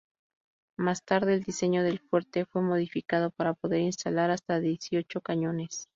Más tarde, el diseño del fuerte fue modificado para poder instalar hasta dieciocho cañones.